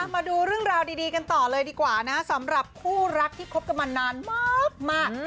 มาดูเรื่องราวดีกันต่อเลยดีกว่านะสำหรับคู่รักที่คบกันมานานมาก